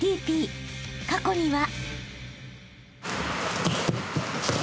［過去には］